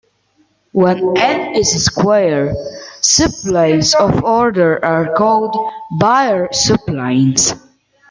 When "N" is a square, subplanes of order are called "Baer subplanes".